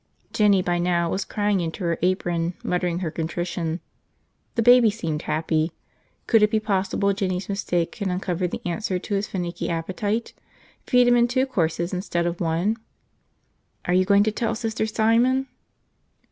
Jinny by now was crying into her apron, muttering her contrition. The baby seemed happy. Could it be possible Jinny's mistake had uncovered the answer to his finicky appetite, feed him in two courses instead of one? "Are you going to tell Sister Simon?"